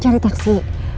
nanti di taksi